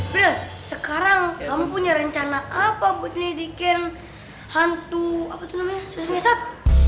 bro sekarang kamu punya rencana apa buat nidiken hantu apa tuh namanya susi ngesot